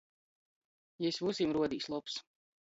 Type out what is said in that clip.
Jis vysim ruodīs lobs.